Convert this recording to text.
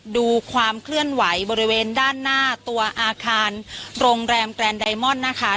ดูความเคลื่อนไหวบริเวณด้านหน้าตัวอาคารโรงแรมแกรนไดมอนด์นะคะ